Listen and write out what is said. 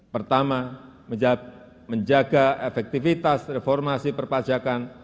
pertama menjaga efektivitas reformasi perpajakan